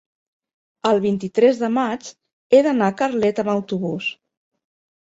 El vint-i-tres de maig he d'anar a Carlet amb autobús.